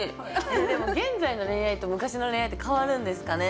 でも現在の恋愛と昔の恋愛って変わるんですかね？